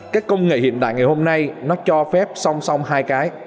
các công nghệ hiện đại ngày hôm nay nó cho phép song song hai cái